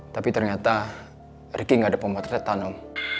tapi ternyata riki gak ada pembahasannya tanam